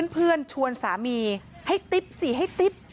เพื่อนชวนสามีให้ติ๊บสิให้ติ๊บ